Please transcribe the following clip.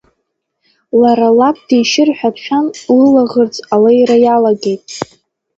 Лара лаб дишьыр ҳәа дшәан, лылаӷырӡ алеира иалагеит.